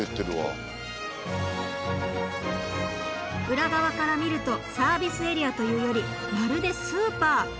裏側から見るとサービスエリアというよりまるでスーパー。